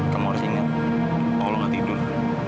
kamu harus ingat allah gak tidur